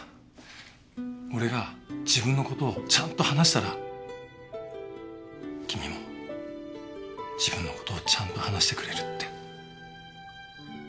俺が自分の事をちゃんと話したら君も自分の事をちゃんと話してくれるって。